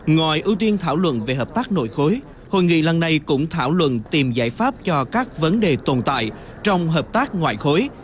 ngoài ưu tiên thảo luận về hợp tác nội khối hội nghị lần này cũng thảo luận tìm giải pháp cho các vấn đề tồn tại trong hợp tác ngoại khối